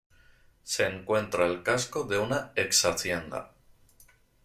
Se encuentra el casco de una exhacienda.